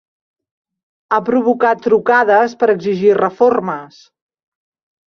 Ha provocat trucades per exigir reformes.